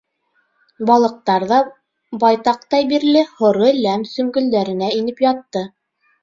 Балыҡтар ҙа байтаҡтай бирле һоро ләм сөмгөлдәренә инеп ятты.